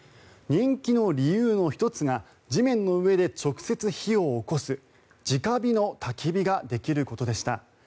人気の理由の１つが地面の上で直接火をおこす直火のたき火ができることでした。